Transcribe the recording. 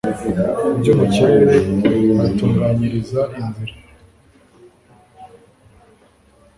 ibyo mu kirere abitunganyiriza inzira